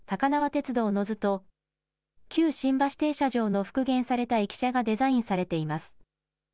鉄道之図と旧新橋停車場の復元された駅舎がデザインされています。